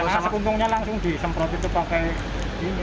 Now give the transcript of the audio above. nah sepunggungnya langsung disemprot itu pakai ini